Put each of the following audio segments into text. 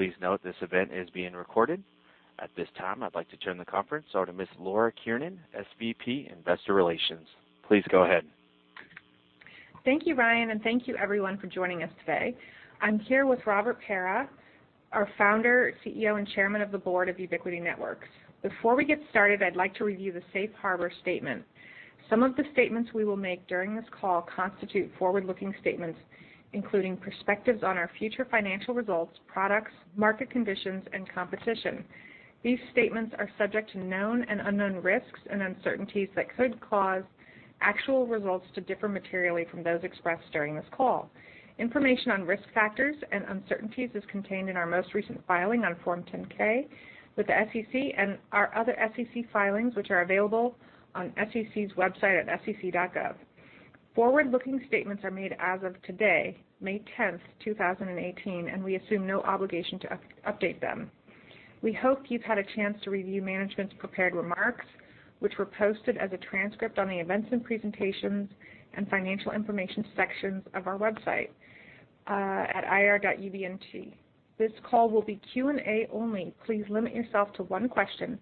Please note this event is being recorded. At this time, I'd like to turn the conference over to Ms. Laura Kiernan, SVP Investor Relations. Please go ahead. Thank you, Ryan, and thank you, everyone, for joining us today. I'm here with Robert Pera, our Founder, CEO, and Chairman of the Board of Ubiquiti Networks. Before we get started, I'd like to review the Safe Harbor Statement. Some of the statements we will make during this call constitute forward-looking statements, including perspectives on our future financial results, products, market conditions, and competition. These statements are subject to known and unknown risks and uncertainties that could cause actual results to differ materially from those expressed during this call. Information on risk factors and uncertainties is contained in our most recent filing on Form 10-K with the SEC and our other SEC filings, which are available on SEC's website at sec.gov. Forward-looking statements are made as of today, May 10th, 2018, and we assume no obligation to update them. We hope you've had a chance to review management's prepared remarks, which were posted as a transcript on the events and presentations and financial information sections of our website at ir.ui.com. This call will be Q&A only. Please limit yourself to one question.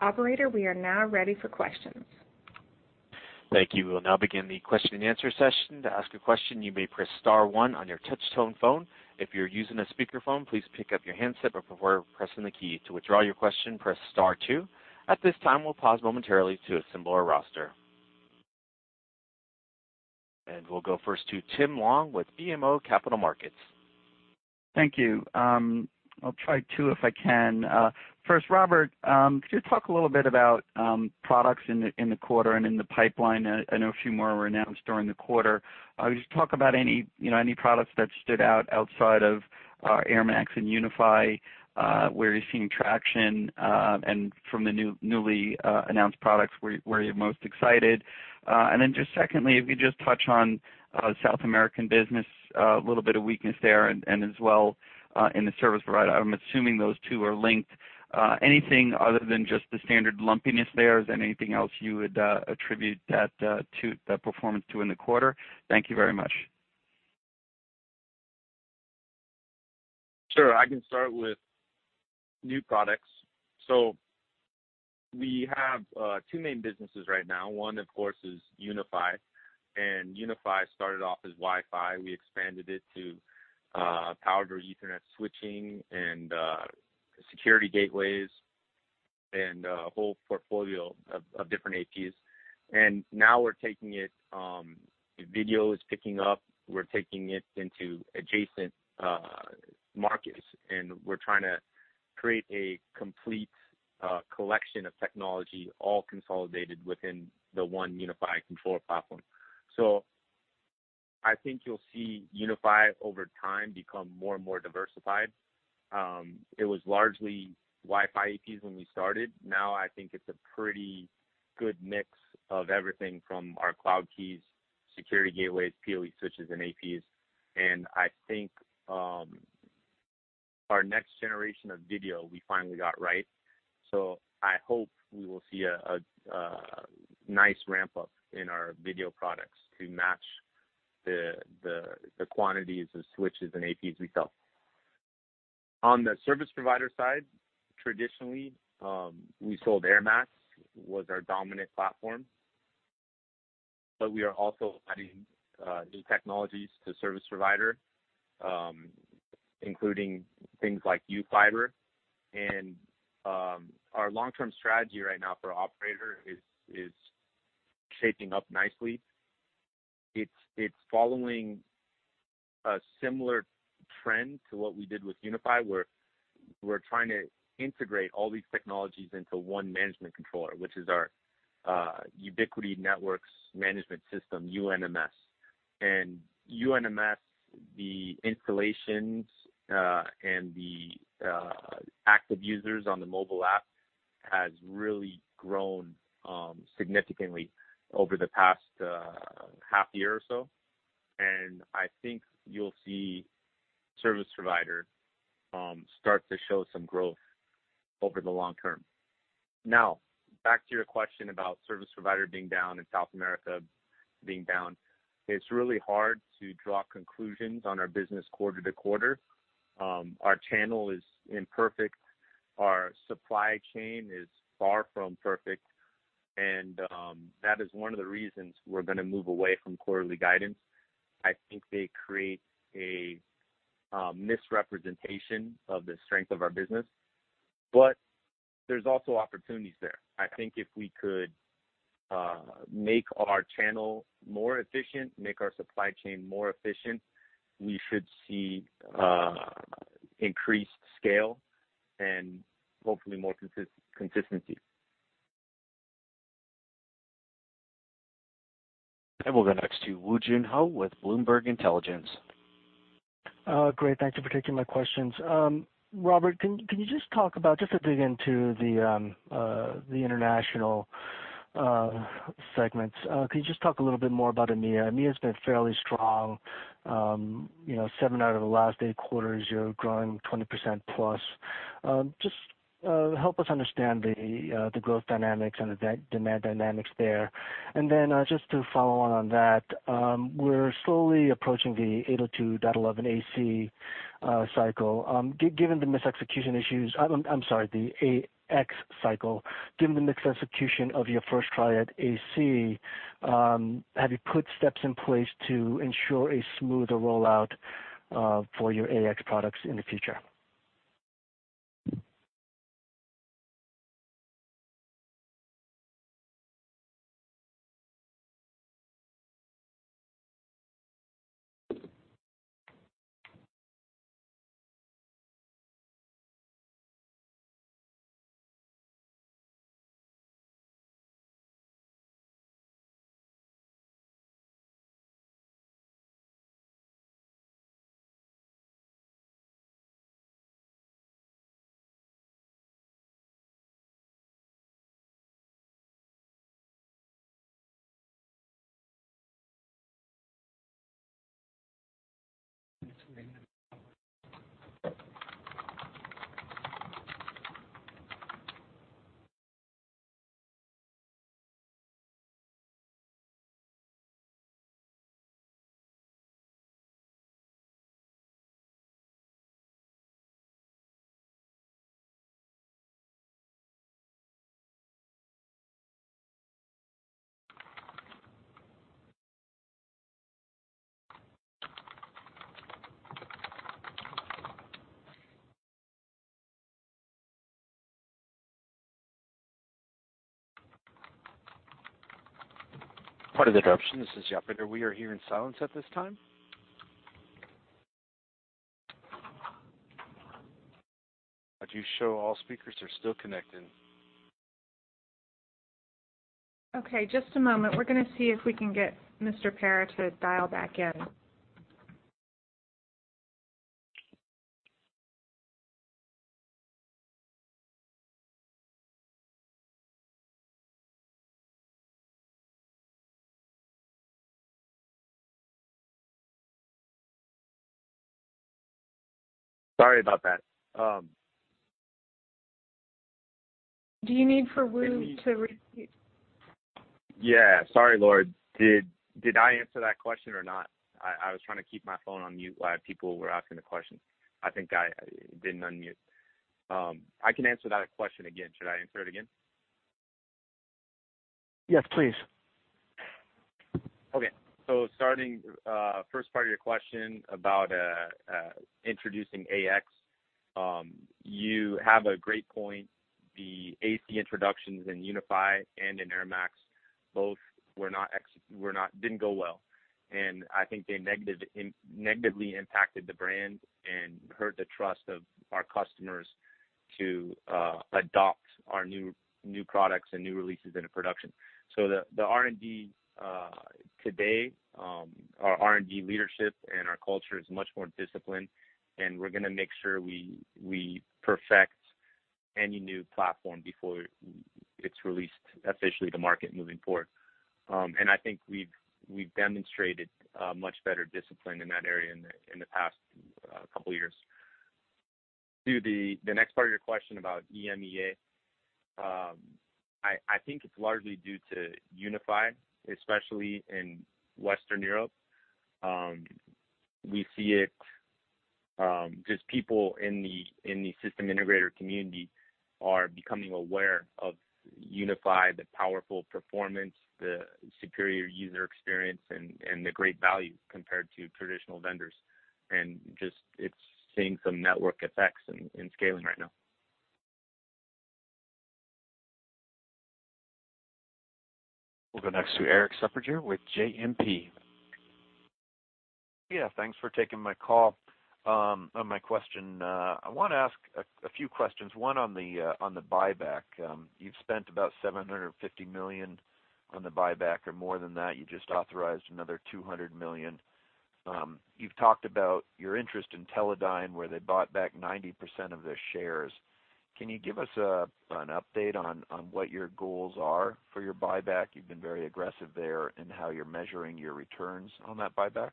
Operator, we are now ready for questions. Thank you. We'll now begin the question and answer session. To ask a question, you may press star one on your touch-tone phone. If you're using a speakerphone, please pick up your handset before pressing the key. To withdraw your question, press star two. At this time, we'll pause momentarily to assemble our roster. We'll go first to Tim Long with BMO Capital Markets. Thank you. I'll try two if I can. First, Robert, could you talk a little bit about products in the quarter and in the pipeline? I know a few more were announced during the quarter. Could you talk about any products that stood out outside of our airMAX and UniFi, where you're seeing traction, and from the newly announced products, where you're most excited? Secondly, if you could just touch on South American business, a little bit of weakness there, and as well in the service provider. I'm assuming those two are linked. Anything other than just the standard lumpiness there, is there anything else you would attribute that performance to in the quarter? Thank you very much. Sure. I can start with new products. We have two main businesses right now. One, of course, is UniFi. UniFi started off as Wi-Fi. We expanded it to power through Ethernet switching and security gateways and a whole portfolio of different APs. Now video is picking up. We are taking it into adjacent markets, and we are trying to create a complete collection of technology, all consolidated within the one UniFi control platform. I think you will see UniFi over time become more and more diversified. It was largely Wi-Fi APs when we started. Now I think it is a pretty good mix of everything from our Cloud Keys, Security gateways, PoE switches, and APs. I think our next generation of video we finally got right. I hope we will see a nice ramp-up in our video products to match the quantities of switches and APs we sell. On the service provider side, traditionally, we sold airMAX as our dominant platform, but we are also adding new technologies to service provider, including things like UFiber. Our long-term strategy right now for Operator is shaping up nicely. It is following a similar trend to what we did with UniFi, where we are trying to integrate all these technologies into one management controller, which is our Ubiquiti Network Management System, UNMS. UNMS, the installations and the active users on the mobile app, has really grown significantly over the past half year or so. I think you will see service provider start to show some growth over the long term. Now, back to your question about service provider being down and South America being down, it's really hard to draw conclusions on our business quarter to quarter. Our channel is imperfect. Our supply chain is far from perfect. That is one of the reasons we're going to move away from quarterly guidance. I think they create a misrepresentation of the strength of our business. There are also opportunities there. I think if we could make our channel more efficient, make our supply chain more efficient, we should see increased scale and hopefully more consistency. We will go next to Woo Jin Ho with Bloomberg Intelligence. Great. Thank you for taking my questions. Robert, can you just talk about—just to dig into the international segments—can you just talk a little bit more about EMEA? EMEA has been fairly strong. Seven out of the last eight quarters, you're growing 20% plus. Just help us understand the growth dynamics and the demand dynamics there. Just to follow on that, we're slowly approaching the 802.11ac cycle. Given the mis-execution issues—I'm sorry, the AX cycle—given the mis-execution of your first triad AC, have you put steps in place to ensure a smoother rollout for your AX products in the future? Pardon the interruption. This is the operator. We are here in silence at this time. I do show all speakers are still connecting. Okay. Just a moment. We're going to see if we can get Mr. Pera to dial back in. Sorry about that. Do you need for Woo to repeat? Yeah. Sorry, Laura. Did I answer that question or not? I was trying to keep my phone on mute while people were asking the question. I think I didn't unmute. I can answer that question again. Should I answer it again? Yes, please. Okay. Starting the first part of your question about introducing AX, you have a great point. The AC introductions in UniFi and in airMAX both did not go well. I think they negatively impacted the brand and hurt the trust of our customers to adopt our new products and new releases into production. The R&D today, our R&D leadership and our culture is much more disciplined, and we are going to make sure we perfect any new platform before it is released officially to market moving forward. I think we have demonstrated much better discipline in that area in the past couple of years. To the next part of your question about EMEA, I think it is largely due to UniFi, especially in Western Europe. We see it just people in the system integrator community are becoming aware of UniFi, the powerful performance, the superior user experience, and the great value compared to traditional vendors. It is seeing some network effects in scaling right now. We'll go next to Erik Suppiger with JMP. Yeah. Thanks for taking my call on my question. I want to ask a few questions. One on the buyback. You've spent about $750 million on the buyback or more than that. You just authorized another $200 million. You've talked about your interest in Teledyne, where they bought back 90% of their shares. Can you give us an update on what your goals are for your buyback? You've been very aggressive there in how you're measuring your returns on that buyback.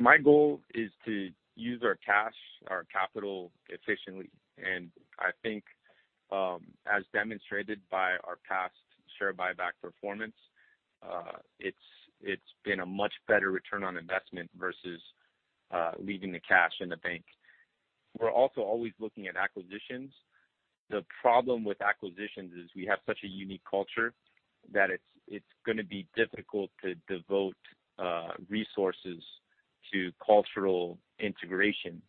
My goal is to use our cash, our capital efficiently. I think as demonstrated by our past share buyback performance, it's been a much better return on investment versus leaving the cash in the bank. We're also always looking at acquisitions. The problem with acquisitions is we have such a unique culture that it's going to be difficult to devote resources to cultural integration.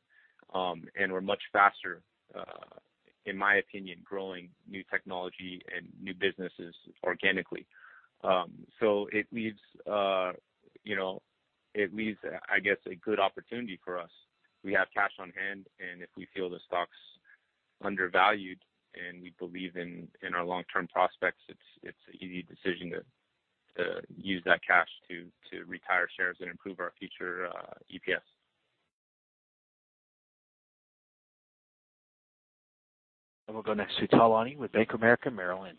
We're much faster, in my opinion, growing new technology and new businesses organically. It leaves, I guess, a good opportunity for us. We have cash on hand, and if we feel the stock's undervalued and we believe in our long-term prospects, it's an easy decision to use that cash to retire shares and improve our future EPS. We will go next to Tal Liani with Bank of America Merrill Lynch.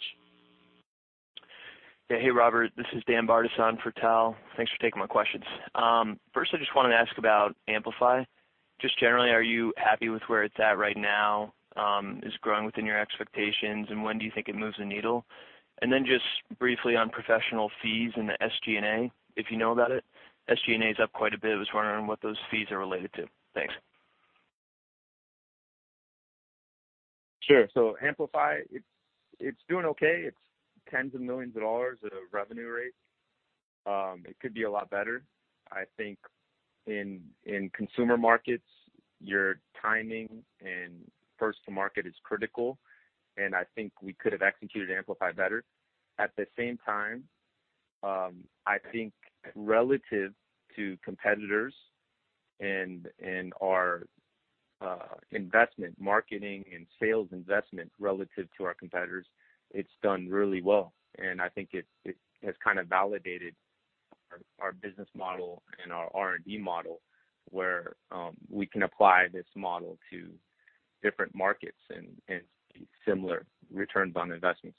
Yeah. Hey, Robert. This is Dan Bartus on for Tal. Thanks for taking my questions. First, I just wanted to ask about AmpliFi. Just generally, are you happy with where it's at right now? Is it growing within your expectations, and when do you think it moves the needle? Just briefly on professional fees and the SG&A, if you know about it. SG&A is up quite a bit. I was wondering what those fees are related to. Thanks. Sure. AmpliFi, it's doing okay. It's tens of millions of dollars of revenue rate. It could be a lot better. I think in consumer markets, your timing and first-to-market is critical. I think we could have executed Amplifi better. At the same time, I think relative to competitors and our investment, marketing, and sales investment relative to our competitors, it's done really well. I think it has kind of validated our business model and our R&D model, where we can apply this model to different markets and see similar returns on investments.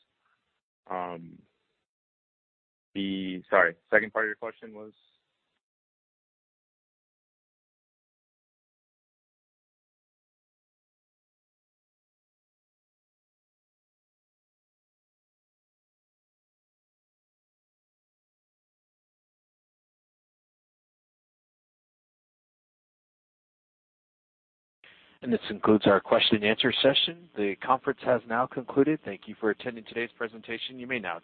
Sorry. Second part of your question was? This concludes our question-and-answer session. The conference has now concluded. Thank you for attending today's presentation. You may now.